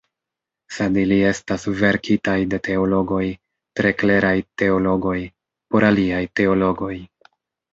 Sed ili estas verkitaj de teologoj, tre kleraj teologoj, por aliaj teologoj.